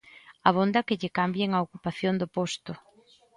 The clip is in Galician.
Abonda que lle cambien a ocupación do posto.